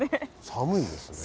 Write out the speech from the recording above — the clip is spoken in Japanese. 寒いですね。